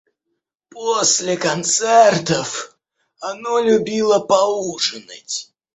После концертов оно любило поужинать.